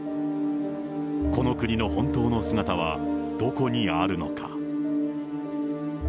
この国の本当の姿はどこにあるのか？